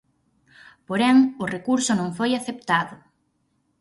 Porén, o recurso non foi aceptado.